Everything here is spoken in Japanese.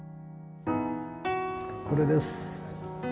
これです。